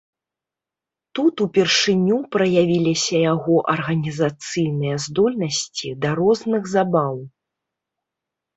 Тут упершыню праявіліся яго арганізацыйныя здольнасці да розных забаў.